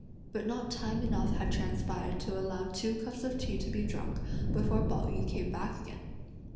But not time enough had transpired to allow two cups of tea to be drunk, before Pao yü came back again.